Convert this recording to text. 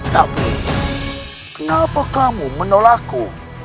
tapi kenapa kamu menolakku